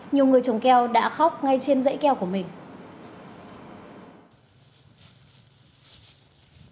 nhiều người trồng keo đã khóc ngay trên dãy keo của mình